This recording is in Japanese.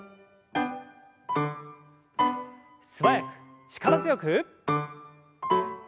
素早く力強く。